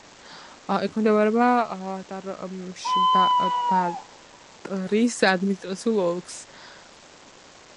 ექვემდებარება დარმშტადტის ადმინისტრაციულ ოლქს.